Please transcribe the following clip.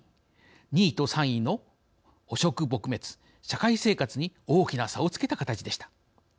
２位と３位の「汚職撲滅」「社会生活」に大きな差をつけた形でした。